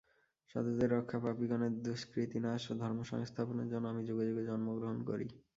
সাধুদের রক্ষা, পাপিগণের দুষ্কৃতিনাশ ও ধর্মসংস্থাপনের জন্য আমি যুগে যুগে জন্মগ্রহণ করি।